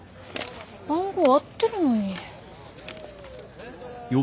番号合ってるのに。